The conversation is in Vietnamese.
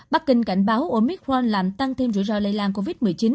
bắc kinh cảnh báo omicron làm tăng thêm rủi ro lây lan covid một mươi chín